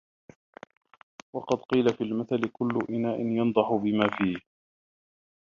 وَقَدْ قِيلَ فِي الْمَثَلِ كُلُّ إنَاءٍ يَنْضَحُ بِمَا فِيهِ